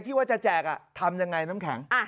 ที่ว่าจะแจกทำยังไงน้ำแข็ง